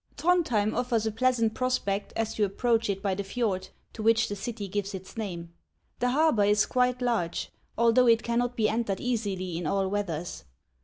Throndhjem offers a pleasant prospect as you approach it by the fjord to which the city gives its name. The harbor is quite large, although it cannot be entered easily in all weathers.